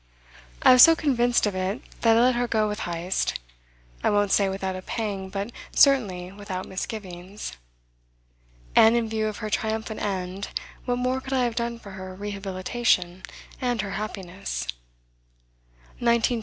I was so convinced of it that I let her go with Heyst, I won't say without a pang but certainly without misgivings. And in view of her triumphant end what more could I have done for her rehabilitation and her happiness? 1920. J. C.